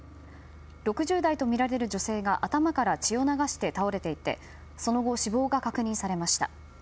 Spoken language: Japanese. ６０代とみられる女性が頭から血を流して倒れていてその後、死亡が確認されました。